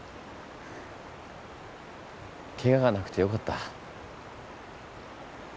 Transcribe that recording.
けががなくて良かった。